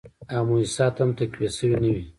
او موسسات هم تقویه شوي نه وې